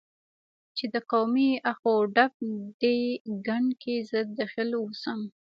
چې د قومي اخ و ډب دې ګند کې زه دخیل اوسم،